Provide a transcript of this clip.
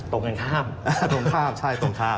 ตรงข้ามใช่ตรงข้าม